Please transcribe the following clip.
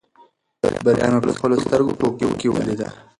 بریا مې په خپلو سترګو په افق کې ولیده.